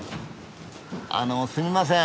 あのすみません。